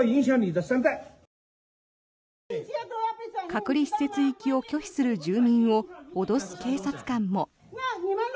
隔離施設行きを拒否する住民を脅す警察官も。